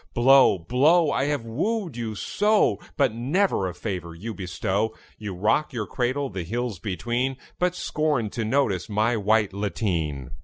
Blow, blow! I have wooed you so, But never a favour you bestow. You rock your cradle the hills between, But scorn to notice my white lateen.